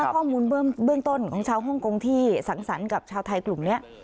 ข้อมูลเบื้องต้นของชาวฮ่องกงที่สังสรรค์กับชาวไทยกลุ่มนี้